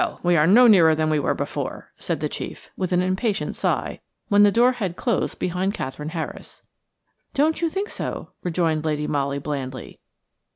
we are no nearer than we were before," said the chief, with an impatient sigh, when the door had closed behind Katherine Harris. "Don't you think so?" rejoined Lady Molly, blandly.